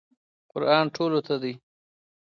قرآن ټولو ته دی.